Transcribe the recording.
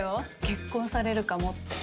結婚されるかもって。